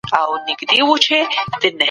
د زعفرانو په کرونده کې زیمبې نه راځي.